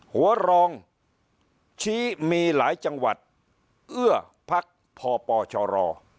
หัวรองชี้มีหลายจังหวัดเอื้อพักพปชร